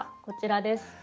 こちらです。